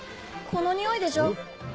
このにおいでしょ。